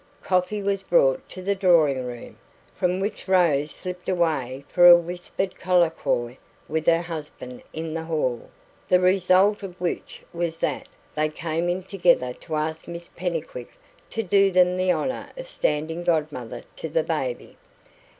Coffee was brought to the drawing room, from which Rose slipped away for a whispered colloquy with her husband in the hall; the result of which was that they came in together to ask Miss Pennycuick to do them the honour of standing godmother to the baby.